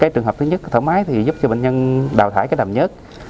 trường hợp thứ nhất là thở máy thì giúp cho bệnh nhân đào thải đầm nhớt